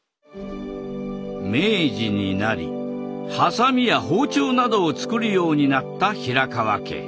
明治になりはさみや包丁などを作るようになった平川家。